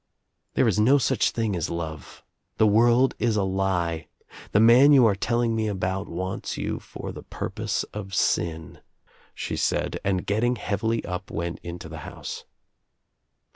"There is no such thing as love. The word is a lie. The man you are telling me about wants you for the purpose of sin," she said and getting heavily up went into the house.